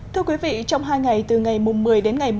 thưa quý vị trong hai ngày từ ngày một mươi đêm đến ngày một mươi đêm